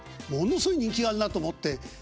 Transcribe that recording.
ものすごい人気があるなと思って。